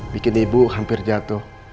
bikin ibu hampir jatuh